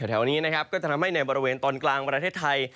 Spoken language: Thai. แถวนี้นะครับก็จะทำให้ในบริเวณตอนกลางประเทศไทย